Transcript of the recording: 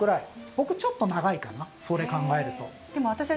僕ちょっと長いかなそれ考えると。